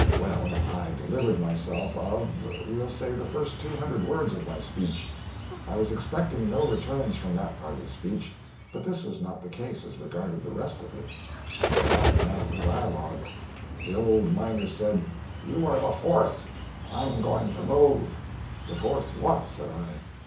Well, I delivered myself of we'll say the first two hundred words of my speech. I was expecting no returns from that part of the speech, but this was not the case as regarded the rest of it. I arrived now at the dialogue: 'The old miner said, "You are the fourth, I'm going to move." "The fourth what?" said I.